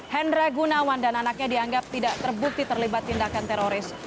hendra gunawan dan anaknya dianggap tidak terbukti terlibat tindakan teroris